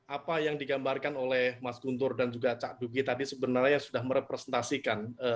apa yang digambarkan oleh mas guntur dan juga cak dugi tadi sebenarnya sudah merepresentasikan